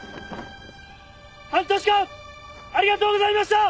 半年間ありがとうございました！